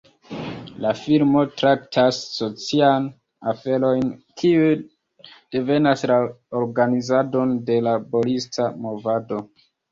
La filmo traktas socian aferojn kiuj devenas la organizadon de la laborista movado.